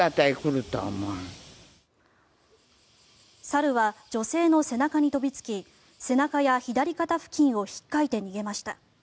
猿は女性の背中に飛びつき背中や左肩付近を引っかいて逃げました。